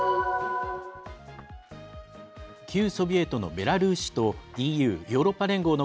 旧ソビエトのベラルーシとＥＵ＝ヨーロッパ連合の